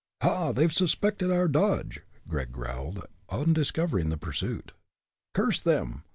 "Ha! they've suspected our dodge!" Gregg growled, on discovering the pursuit. "Curse them!